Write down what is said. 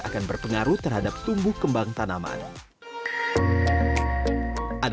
kebun bunga krisan ini ditemukan di desa cluster